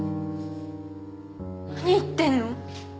何言ってるの？